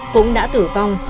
cũng đã tử vong